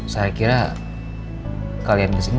saya kira kalian kesini